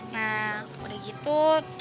nah udah gitu